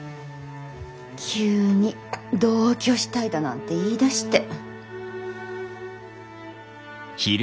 急に同居したいだなんて言いだして。